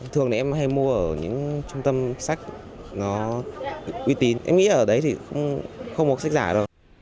thường em hay mua ở những trung tâm sách nó uy tín em nghĩ ở đấy thì không mua sách giả đâu